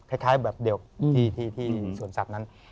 คล้ายแบบเดียวที่สวนสัตว์นั้น